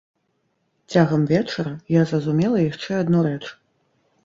Цягам вечара я зразумела яшчэ адну рэч.